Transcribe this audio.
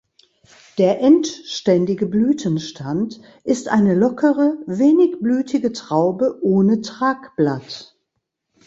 Der endständige Blütenstand ist eine lockere, wenigblütige Traube ohne Tragblatt.